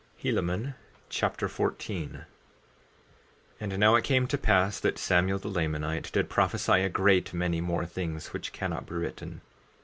Helaman Chapter 14 14:1 And now it came to pass that Samuel, the Lamanite, did prophesy a great many more things which cannot be written.